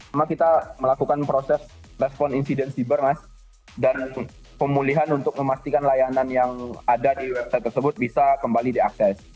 kami melakukan proses response incident cyber dan pemulihan untuk memastikan layanan yang ada di website tersebut bisa kembali diakses